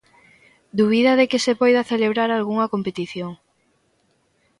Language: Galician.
Dubida de que se poida celebrar algunha competición.